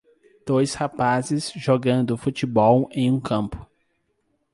Dois rapazes jogando futebol em um campo.